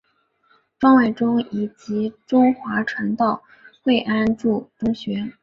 庄伟忠以及中华传道会安柱中学。